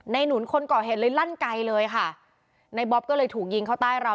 หนุนคนก่อเหตุเลยลั่นไกลเลยค่ะในบ๊อบก็เลยถูกยิงเข้าใต้เรา